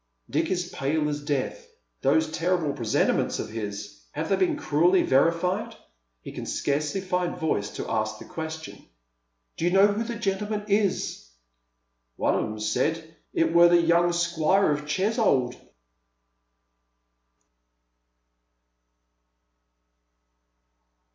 Dick is pale as death. Those tenible presentiments of his! have they been cruelly verified ? He can scarcely find voice to ask the question, —" Do you know who the gentleman is ?"" One on 'era said it were the young squire of Ches'old."